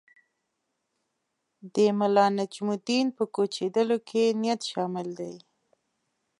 د ملانجم الدین په کوچېدلو کې نیت شامل دی.